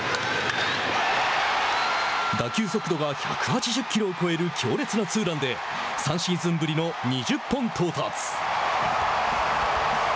打球速度が１８０キロを超える強烈なツーランで３シーズンぶりの２０本到達。